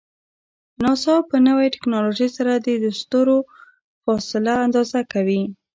ناسا په نوی ټکنالوژۍ سره د ستورو فاصله اندازه کوي.